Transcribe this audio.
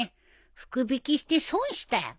福引して損したよ。